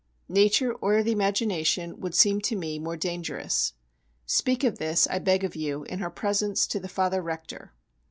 Nature or the imagination would seem to me more dangerous. Speak of this, I beg of you, in her presence to the Father Rector.